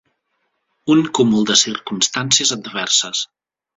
Un cúmul de circumstàncies adverses.